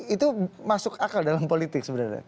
itu masuk akal dalam politik sebenarnya